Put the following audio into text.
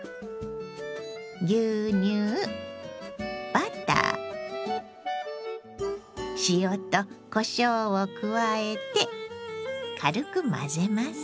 牛乳バター塩とこしょうを加えて軽く混ぜます。